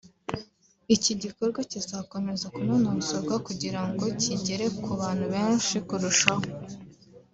iki gikorwa kizakomeza kunonosorwa kugira ngo kigere ku bantu benshi kurushaho